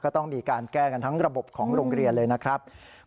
ต้องมีการแก้กันทั้งระบบของโรงเรียนเลยนะครับ